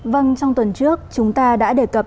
vâng trong tuần trước chúng ta đã đề cập